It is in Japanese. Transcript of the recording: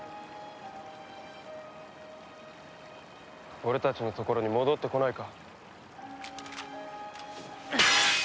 俺たちのところに戻ってこないか？